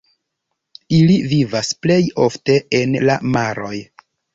Ili vivas plej ofte en la maroj.